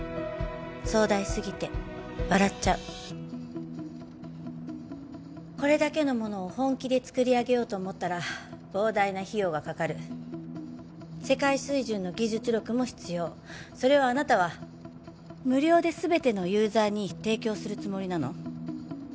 壮大すぎて笑っちゃうこれだけのものを本気でつくりあげようと思ったら膨大な費用がかかる世界水準の技術力も必要それをあなたは無料で全てのユーザーに提供するつもりなの？